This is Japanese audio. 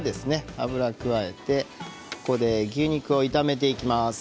油を加えて牛肉を炒めていきます。